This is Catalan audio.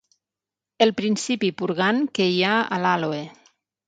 El principi purgant que hi ha a l'àloe.